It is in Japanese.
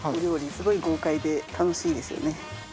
すごい豪快で楽しいですよね。